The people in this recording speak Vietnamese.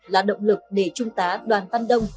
là động lực để trung tá đoàn văn đông